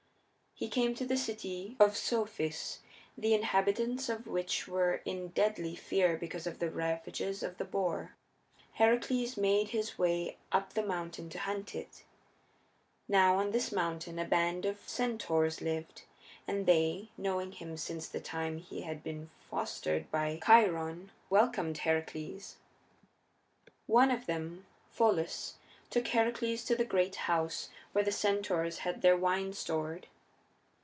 He came to the city of Psophis, the inhabitants of which were in deadly fear because of the ravages of the boar. Heracles made his way up the mountain to hunt it. Now on this mountain a band of centaurs lived, and they, knowing him since the time he had been fostered by Chiron, welcomed Heracles. One of them, Pholus, took Heracles to the great house where the centaurs had their wine stored.